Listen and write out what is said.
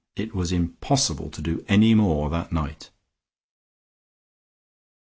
It was impossible to do any more that night.